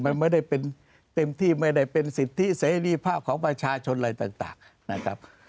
มันไม่ได้เป็นเต็มที่ไม่ได้เป็นสิทธิเสรีภาพของประชาชนอะไรต่างนะครับ